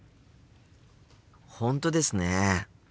本当ですね。